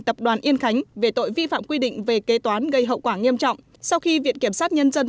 tập đoàn yên khánh về tội vi phạm quy định về kế toán gây hậu quả nghiêm trọng sau khi viện kiểm sát nhân dân